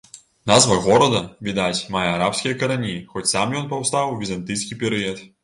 Назва горада, відаць, мае арабскія карані, хоць сам ён паўстаў у візантыйскі перыяд.